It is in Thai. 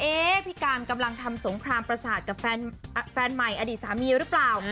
พี่การกำลังทำสงครามประสาทกับแฟนใหม่อดีตสามีหรือเปล่า